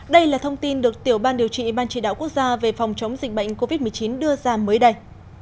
đây là thông tin được tiểu ban điều trị ban chỉ đạo quốc gia về phòng chống dịch bệnh covid một mươi chín đưa ra mới đây